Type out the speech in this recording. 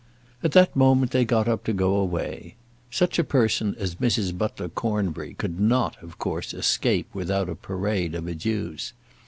At that moment they got up to go away. Such a person as Mrs. Butler Cornbury could not, of course, escape without a parade of adieux.